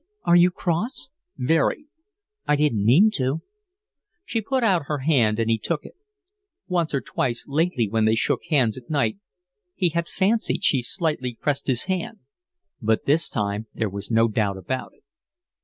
"Are you cross?" "Very." "I didn't mean to." She put out her hand and he took it. Once or twice lately when they shook hands at night he had fancied she slightly pressed his hand, but this time there was no doubt about it.